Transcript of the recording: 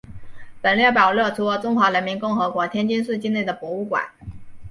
本列表列出中华人民共和国天津市境内的博物馆。